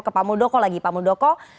ke pak muldoko lagi pak muldoko